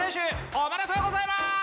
おめでとうございまーす！